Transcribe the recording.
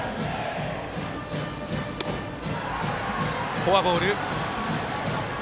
フォアボール。